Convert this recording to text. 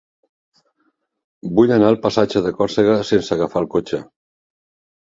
Vull anar al passatge de Còrsega sense agafar el cotxe.